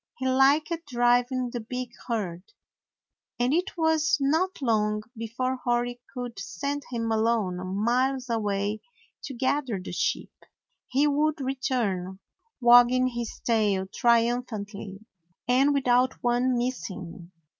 He liked driving the big herd, and it was not long before Hori could send him alone miles away to gather the sheep. He would re turn, wagging his tail triumphantly, and with out one missing.